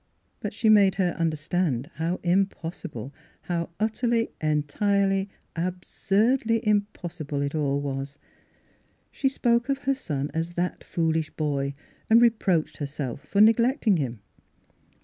But she made her understand how impossible — how utterly, entirely, absurdly impossible it all was. She spoke of her son as that foolish boy, and reproached herself for neglect ing him.